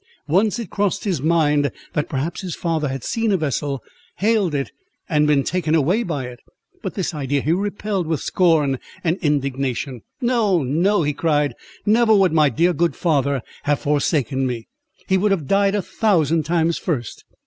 Once it crossed his mind, that perhaps his father had seen a vessel, hailed it, and been taken away by it; but this idea he repelled with scorn and indignation—"No! no!" he cried, "never would my dear good father have forsaken me. He would have died a thousand times first!